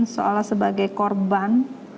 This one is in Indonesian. seolah sebagai korban